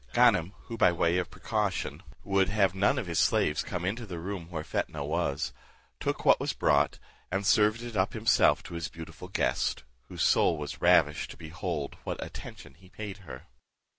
Ganem, who, by way of precaution, would have none of his slaves come into the room where Fetnah was, took what was brought, and served it up himself to his beautiful guest, whose soul was ravished to behold what attention he paid her.